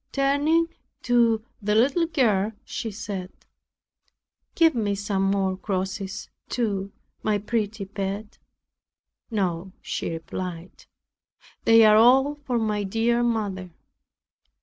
Turning to the little girl, she said, "Give me some crosses, too, my pretty pet." "No," she replied, "they are all for my dear mother."